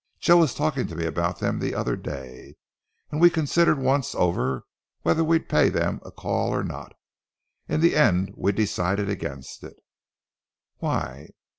Joe was talking to me about them the other day, and we considered once over whether we'd pay them a call or not. In the end we decided against it." "Why?"